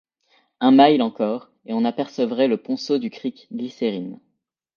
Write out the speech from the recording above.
Un mille encore, et on apercevrait le ponceau du creek Glycérine